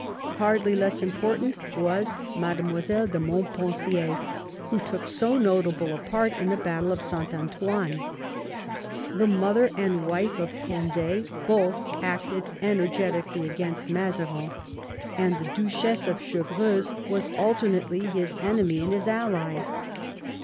Hardly less important was Madlle. de Montpensier, who took so notable a part in the battle of Saint Antoine. The mother and wife of Cond^ both acted energetically against Mazarin, and the Duchess of Chevreuse was alternately his enemy and his ally.